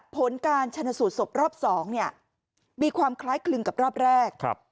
ผลการชนสูตรศพรอบ๒เนี่ยมีความคล้ายคลึงกับรอบแรก